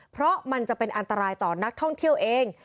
เพราะมันจะเป็นอันตรายต่อนักท่องเที่ยวเอง